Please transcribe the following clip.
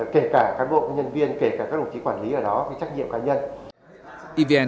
kể cả cán bộ nhân viên kể cả các đồng chí quản lý ở đó trách nhiệm cá nhân